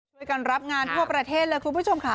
ช่วยกันรับงานทั่วประเทศเลยคุณผู้ชมค่ะ